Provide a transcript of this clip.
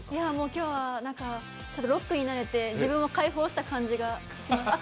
今日はなんかロックになれて、自分を解放した感じがしました。